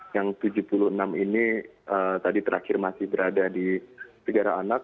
yang tujuh puluh enam ini tadi terakhir masih berada di negara anak